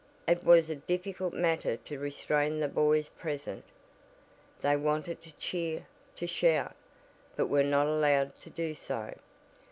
It was a difficult matter to restrain the boys present. They wanted to cheer to shout, but were not allowed to do so.